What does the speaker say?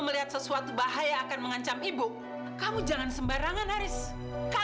mila minta maaf banget karena hari ini